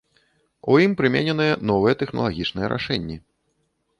У ім прымененыя новыя тэхналагічныя рашэнні.